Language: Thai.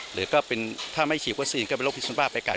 หรือถ้าไม่ฉีดวอสซีนก็เป็นรวมขึ้นสมาธิภาพพระอากาศ